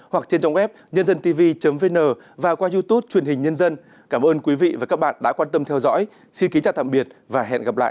hoặc trên trang web nhândântv vn và qua youtube truyền hình nhân dân cảm ơn quý vị và các bạn đã quan tâm theo dõi xin kính chào tạm biệt và hẹn gặp lại